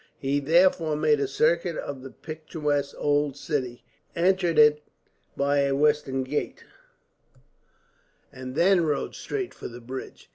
He therefore made a circuit of the picturesque old city, entered it by a western gate, and then rode straight for the bridge.